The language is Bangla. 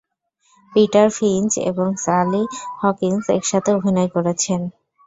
পিটার ফিঞ্চ এবং স্যালি হকিন্স একসাথে অভিনয় করেছেন।